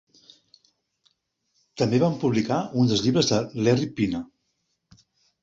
També van publicar un dels llibres de Larry Pina.